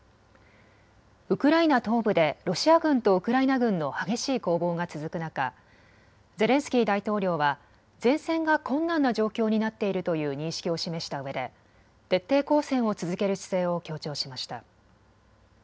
ウクライナ東部でロシア軍とウクライナ軍の激しい攻防が続く中、ゼレンスキー大統領は前線が困難な状況になっているという認識を示したうえで徹底抗戦を続ける姿勢を強調しました。